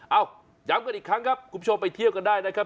ย้ำกันอีกครั้งครับคุณผู้ชมไปเที่ยวกันได้นะครับ